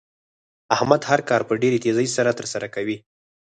احمد هر کار په ډېرې تېزۍ سره تر سره کوي.